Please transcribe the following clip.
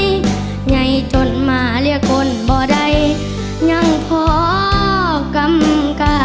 ไงจนมาเรียกคนบ่ได้ยังพอกรรมกา